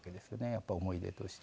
やっぱり思い出として。